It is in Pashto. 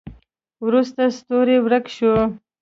وروسته ستوری ورک شو.